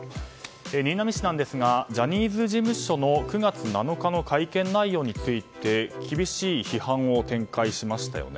新浪氏なんですがジャニーズ事務所の９月７日の会見内容について厳しい批判を展開しましたよね。